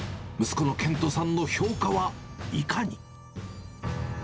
息子の拳斗さんの評価はいかに。